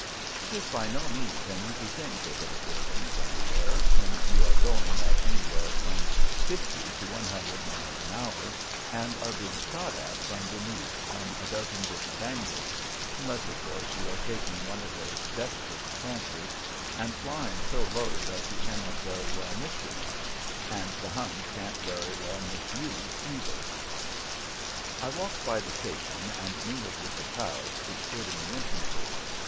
It is by no means an easy thing to hit a building from the air when you are going at anywhere from fifty to one hundred miles an hour and are being shot at from beneath from a dozen different angles unless, of course, you are taking one of those desperate chances and flying so low that you cannot very well miss your mark, and the Huns can't very well miss you, either! I walked by the station and mingled with the crowds which stood in the entrances.